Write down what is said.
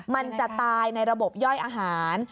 มันจะตายในระบบย่อยอาหาร